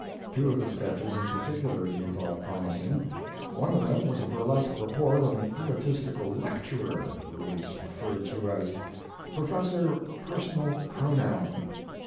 Two of the sketches in particular he thought promising. One of them was a burlesque report of an egotistical lecturer who was referred to as "Professor Personal Pronoun."